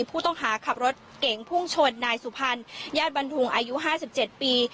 ผู้ต้องหาขับรถเก่งพุ่งชนนายสุพรรณญาติบันทุงอายุ๕๗ปี